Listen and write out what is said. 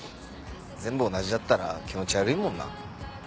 全部同じだったら気持ち悪いもんな。